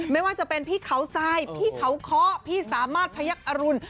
ไม่ว่าจะเป็นพี่เขาทรายพี่เขาเคาะพี่สามารถพยักษรุณ